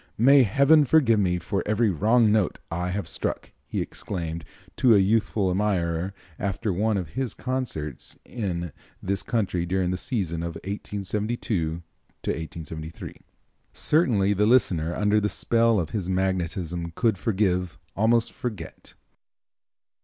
"May Heaven forgive me for every wrong note I have struck!" he exclaimed to a youthful admirer after one of his concerts in this country during the season of 1872 3. Certainly the listener under the spell of his magnetism could forgive, almost forget.